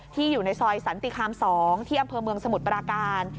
อยู่ในซอยสันติคาม๒ที่อำเภอเมืองสมุทรปราการ